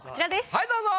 はいどうぞ。